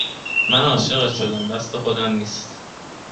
من عاشقت شدم دست خودم نیست